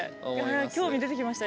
興味出てきました